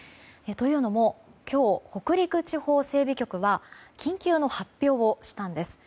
というのも今日、北陸地方整備局は緊急の発表をしたんです。